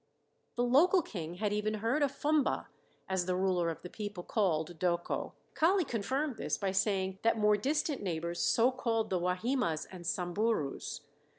The local king had even heard of Fumba, as the ruler of the people called "Doko." Kali confirmed this by saying that more distant neighbors so called the Wahimas and Samburus.